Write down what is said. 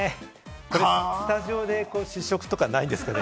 スタジオで試食とかないんですかね？